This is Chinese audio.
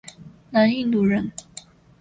南印度人。